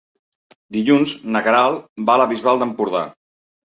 Dilluns na Queralt va a la Bisbal d'Empordà.